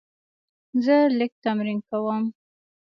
زه لیک تمرین کوم.